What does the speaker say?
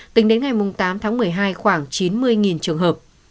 tính đến ngày tám tháng một mươi hai khoảng chín mươi trường hợp